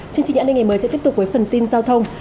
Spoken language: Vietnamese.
chương trình ảnh hình ngày mới sẽ tiếp tục với phần tin giao thông